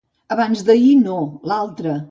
Abans-d'ahir no, l'altre.